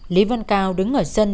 lý văn cao đứng ở sân